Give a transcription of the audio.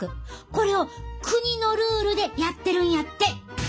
これを国のルールでやってるんやって！